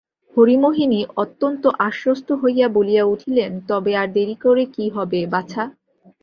হরিমোহিনী অত্যন্ত আশ্বস্ত হইয়া বলিয়া উঠিলেন, তবে আর দেরি করে কী হবে বাছা?